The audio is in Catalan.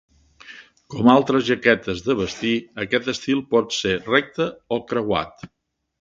Com les altres jaquetes de vestir, aquest estil pot ser recte o creuat.